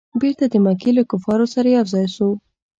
بیرته د مکې له کفارو سره یو ځای سو.